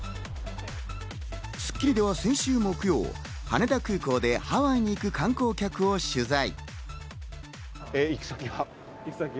『スッキリ』では先週木曜、羽田空港でハワイに行く観光客を取材。